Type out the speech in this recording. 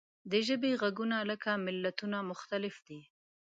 د ژبې غږونه لکه ملتونه مختلف دي.